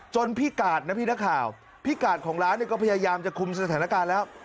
พี่กาดนะพี่นักข่าวพี่กาดของร้านเนี่ยก็พยายามจะคุมสถานการณ์แล้ว